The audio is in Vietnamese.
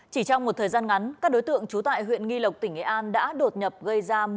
chỉ trong một thời gian ngắn các đối tượng trú tại huyện nghi lộc tỉnh nghệ an đã đột nhập gây ra